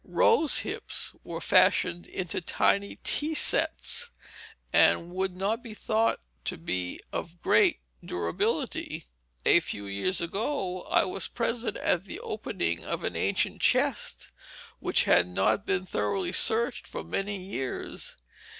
Rose hips were fashioned into tiny tea sets, and would not be thought to be of great durability. A few years ago I was present at the opening of an ancient chest which had not been thoroughly searched for many years.